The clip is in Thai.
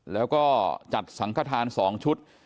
แล้วก็จัดสังขทาน๒ชุด